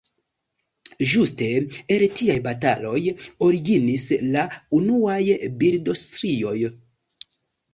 Ĝuste el tiaj bataloj originis la unuaj bildstrioj.